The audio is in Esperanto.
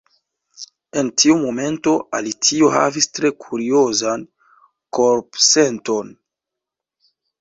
En tiu momento Alicio havis tre kuriozan korpsenton.